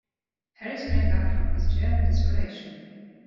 Harry sprang up from his chair in desperation.